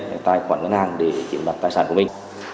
tài khoản ngân hàng để chiếm đoạt tài sản của mình